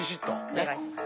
お願いします。